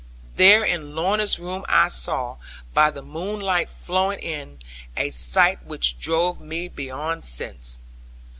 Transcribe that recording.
There in Lorna's room I saw, by the moonlight flowing in, a sight which drove me beyond sense.